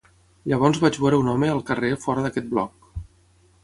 Llavors vaig veure un home al carrer fora d'aquest bloc.